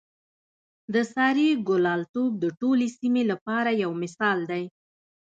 د سارې ګلالتوب د ټولې سیمې لپاره یو مثال دی.